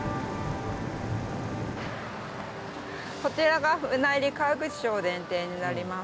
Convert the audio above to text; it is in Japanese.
こちらが舟入川口町電停になります。